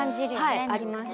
はいありました。